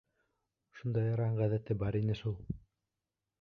— Шундайыраҡ ғәҙәте бар ине шул...